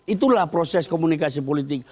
itulah proses komunikasi politik